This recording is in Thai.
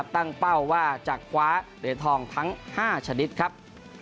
เป้าว่าจะคว้าเหรียญทองทั้ง๕ชนิดครับ